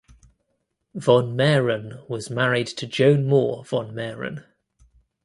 Von Mehren was married to Joan Moore von Mehren.